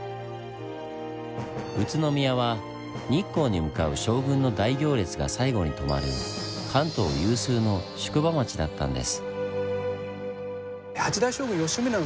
宇都宮は日光に向かう将軍の大行列が最後に泊まる関東有数の宿場町だったんです。